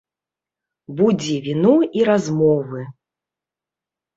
Будзе віно і размовы!